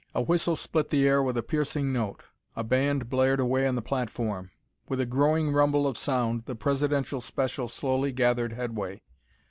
A whistle split the air with a piercing note. A band blared away on the platform. With a growing rumble of sound, the Presidential special slowly gathered headway.